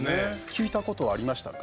聞いたことはありましたか？